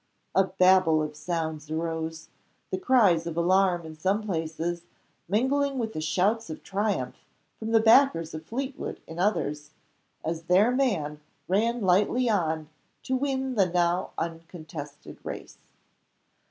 A Babel of sounds arose. The cries of alarm in some places, mingling with the shouts of triumph from the backers of Fleetwood in others as their man ran lightly on to win the now uncontested race.